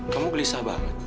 kamu gelisah banget